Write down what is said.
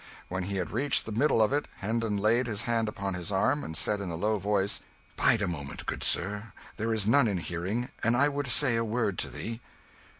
When he had reached the middle of it, Hendon laid his hand upon his arm, and said in a low voice "Bide a moment, good sir, there is none in hearing, and I would say a word to thee."